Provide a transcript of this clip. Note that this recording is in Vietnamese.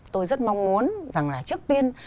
tôi rất mong muốn rằng là trước tiên